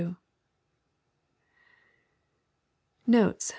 Notes.